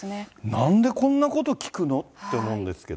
なんでこんなこと聞くの？って思うんですけど。